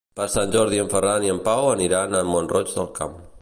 Per Sant Jordi en Ferran i en Pau aniran a Mont-roig del Camp.